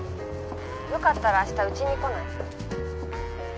よかったら明日ウチに来ない？